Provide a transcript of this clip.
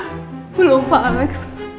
belum pak alex